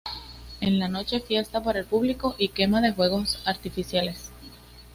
En la noche fiesta para el público y quema de juegos artificiales.